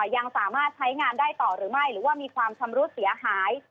ยังสามารถใช้งานได้ต่อหรือไม่หรือว่ามีความชำรุดเสียหาย